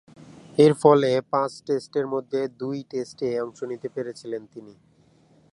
এরফলে পাঁচ টেস্টের মধ্যে দুই টেস্টে অংশ নিতে পেরেছিলেন তিনি।